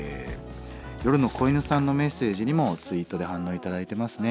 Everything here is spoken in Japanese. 夜の子犬さんのメッセージにもツイートで反応頂いてますね。